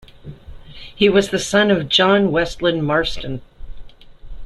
He was the son of John Westland Marston.